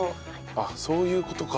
あっそういう事か。